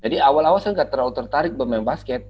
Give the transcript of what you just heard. jadi awal awal saya tidak terlalu tertarik bermain basket